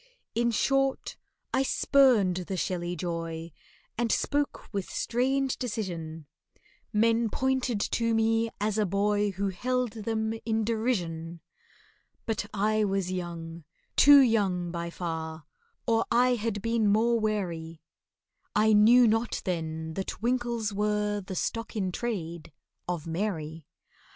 In short, I spurned the shelly joy, And spoke with strange decision— Men pointed to me as a boy Who held them in derision. But I was young—too young, by far— Or I had been more wary, I knew not then that winkles are The stock in trade of MARY.